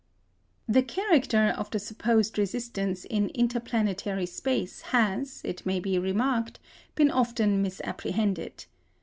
The character of the supposed resistance in inter planetary space has, it may be remarked, been often misapprehended.